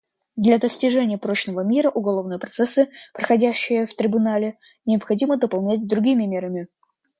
Для достижения прочного мира уголовные процессы, проходящие в Трибунале, необходимо дополнять другими мерами.